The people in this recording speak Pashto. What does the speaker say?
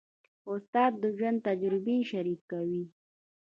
استاد د ژوند تجربې شریکوي.